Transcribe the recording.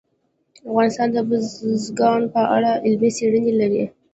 افغانستان د بزګان په اړه علمي څېړنې لري.